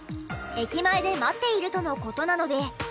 駅前で待っているとの事なので。